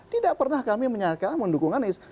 tidak pernah kami menyangka mendukung anies